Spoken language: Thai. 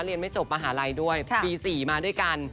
เรียนไม่จบบริษัทด้วยปีสี่มากัน